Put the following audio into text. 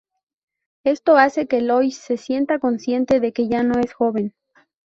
Esto hace que Lois se sienta consciente de que ya no es joven.